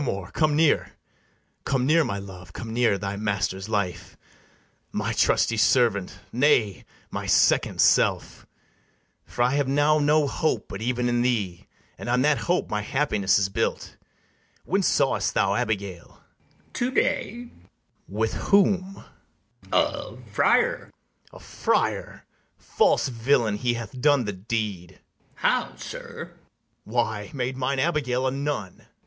O Ithamore, come near; Come near, my love; come near, thy master's life, My trusty servant, nay, my second self; For I have now no hope but even in thee, And on that hope my happiness is built. When saw'st thou Abigail? ITHAMORE. To day. BARABAS. With whom? ITHAMORE. A friar. BARABAS. A friar! false villain, he hath done the deed. ITHAMORE. How, sir! BARABAS. Why, made mine Abigail a nun. ITHAMORE.